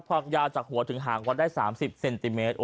ความยาวจากหัวถึงห่างวัดได้๓๐เซนติเมตร